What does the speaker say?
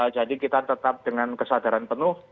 jadi kita tetap dengan kesadaran penuh